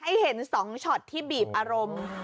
ให้เห็น๒ช็อตที่บีบอารมณ์